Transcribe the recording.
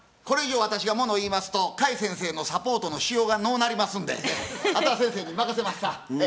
これ以上私がもの言いますと甲斐先生のサポートのしようがのうなりますんであとは先生に任せまっさ。